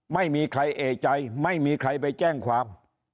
ไม่มีใครเอกใจไม่มีใครไปแจ้งความ